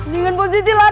dengan positif lah